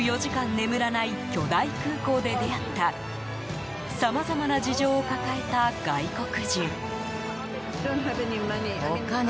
眠らない巨大空港で出会ったさまざまな事情を抱えた外国人。